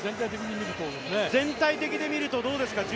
全体的に見るとどうですかね。